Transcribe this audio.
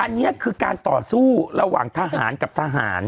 อันนี้คือการต่อสู้ระหว่างทหารกับทหาร